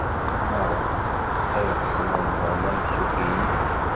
Maɣef ay ɣsen ad ẓren amsukki-inu?